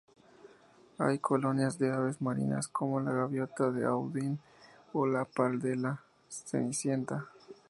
Hay colonias de aves marinas como la gaviota de Audouin o la pardela cenicienta.